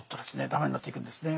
駄目になっていくんですね。